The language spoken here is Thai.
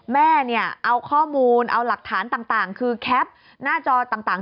แม่เนี่ยเอาข้อมูลเอาหลักฐานต่างคือแคปหน้าจอต่าง